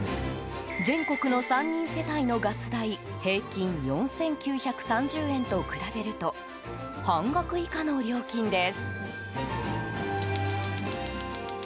全国の３人世帯のガス代平均４９３０円と比べると半額以下の料金です。